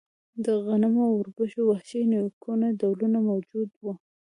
د غنمو او اوربشو د وحشي نیکونو ډولونه موجود وو.